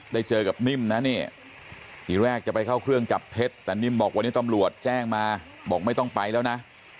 เจอกับนิ่มนะนี่ทีแรกจะไปเข้าเครื่องจับเท็จแต่นิ่มบอกวันนี้ตำรวจแจ้งมาบอกไม่ต้องไปแล้วนะ